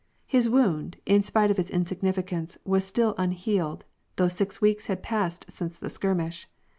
His wound, in spite of its insignificance, was still unhealed, though six weeks had passed since the skirmish.